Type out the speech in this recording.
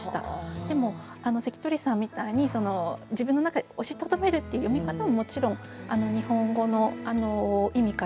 でも関取さんみたいに自分の中に押しとどめるっていう読み方ももちろん日本語の意味からは取れるかなと思いました。